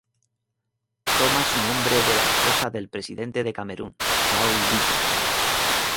Toma su nombre de la esposa del presidente de Camerún, Paul Biya.